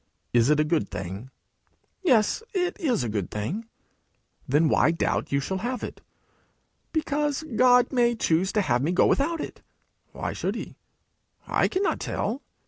Is it a good thing?' 'Yes, it is a good thing.' 'Then why doubt you shall have it?' 'Because God may choose to have me go without it.' 'Why should he?' 'I cannot tell.'